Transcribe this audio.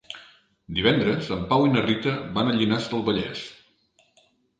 Divendres en Pau i na Rita van a Llinars del Vallès.